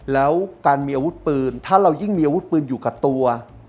แล้วการมีอาวุธปืนถ้าเรายิ่งมีอาวุธปืนอยู่กับตัว